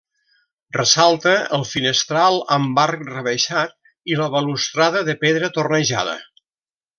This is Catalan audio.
Ressalta el finestral amb arc rebaixat i la balustrada de pedra tornejada.